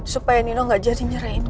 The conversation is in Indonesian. supaya nino nggak jadi nyariin gue